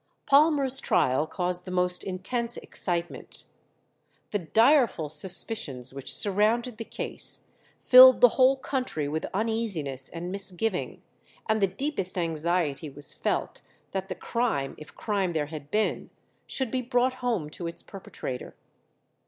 Palmer's trial caused the most intense excitement. The direful suspicions which surrounded the case filled the whole country with uneasiness and misgiving, and the deepest anxiety was felt that the crime, if crime there had been, should be brought home to its perpetrator.